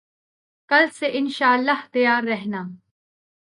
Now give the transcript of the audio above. کل سے ان شاءاللہ تیار رہنا